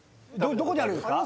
どこにあるんですか？